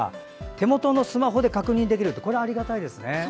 手元のスマホで確認できるのはありがたいですね。